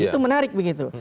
itu menarik begitu